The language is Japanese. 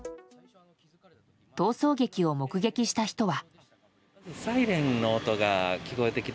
逃走劇を目撃した人は。